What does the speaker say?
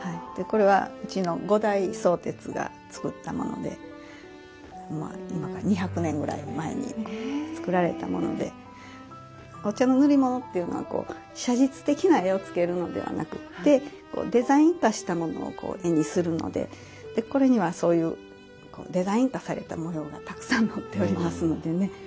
これは五代宗哲が作ったもので今から２００年ぐらい前に作られたものでお茶の塗り物っていうのはこう写実的な絵をつけるのではなくってデザイン化したものを絵にするのでこれにはそういうデザイン化されたものがたくさん載っておりますのでね